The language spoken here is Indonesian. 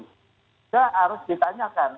saya harus ditanyakan